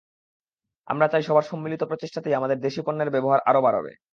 আমরা চাই সবার সম্মিলিত প্রচেষ্টাতেই আমাদের দেশি পণ্যের ব্যবহার আরা বাড়বে।